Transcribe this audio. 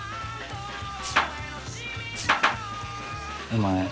お前